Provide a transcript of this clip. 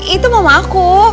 itu mama aku